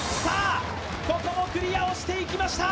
ここもクリアをしていきました。